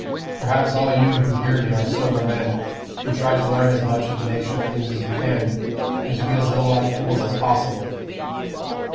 Perhaps all you who hear me are sober men, who try to learn as much of the nature of things as you can, and to be as little like fools as possible.